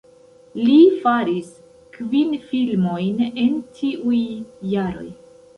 Li faris kvin filmojn en tiuj jaroj.